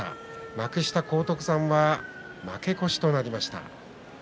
幕下荒篤山が負け越しとなりました。